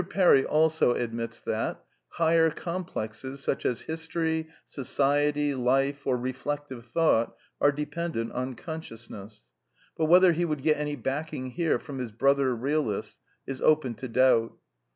Perry also admits that '' higher complexes, such as history, society, life, or reflective thought, are dependent on consciousness;" but whether he would get any backing here from his brother realists is open to doubt.